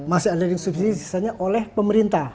masih ada yang subsidi sisanya oleh pemerintah